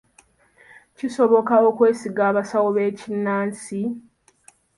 Kisoboka okwesiga abasawo b'ekinnansi?